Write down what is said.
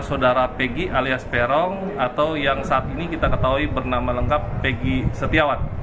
saudara pegi alias peron atau yang saat ini kita ketahui bernama lengkap peggy setiawan